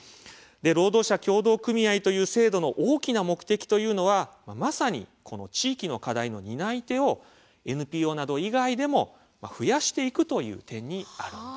労働者協同組合という制度の大きな目的というのは、まさにこの地域の課題の担い手をＮＰＯなど以外でも増やしていくという点にあるんです。